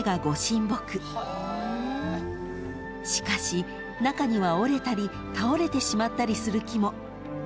［しかし中には折れたり倒れてしまったりする木も］